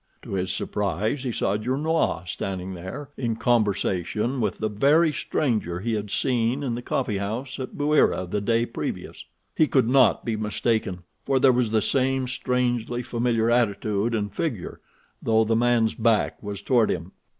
To his surprise, he saw Gernois standing there in conversation with the very stranger he had seen in the coffee house at Bouira the day previous. He could not be mistaken, for there was the same strangely familiar attitude and figure, though the man's back was toward him.